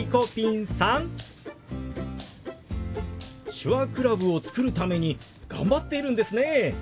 手話クラブを作るために頑張っているんですね。